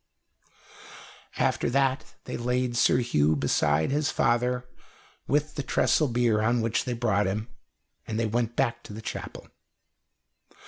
After that they laid Sir Hugh beside his father, with the trestle bier on which they had brought him, and they went back to the chapel.